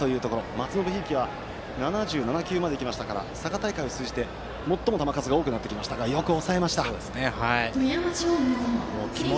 松延響は７７球まで来ましたから佐賀大会を通じて最も球数が多くなってきましたがよく抑えました。